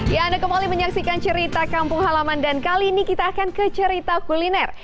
ya anda kembali menyaksikan cerita kampung halaman dan kali ini kita akan ke cerita kuliner